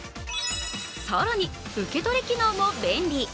更に、受け取り機能も便利。